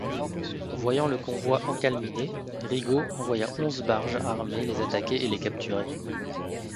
Voyant le convoi encalminé, Rigaud envoya onze barges armées les attaquer et les capturer.